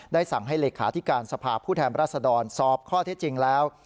สั่งให้เลขาธิการสภาพผู้แทนรัศดรสอบข้อเท็จจริงแล้ว